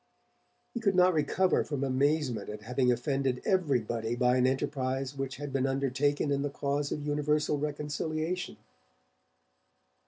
He could not recover from amazement at having offended everybody by an enterprise which had been undertaken in the cause of universal reconciliation.